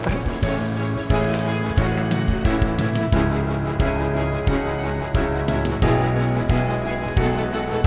terima kasih fad